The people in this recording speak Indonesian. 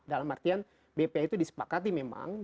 dalam artian bpa itu disepakati misalnya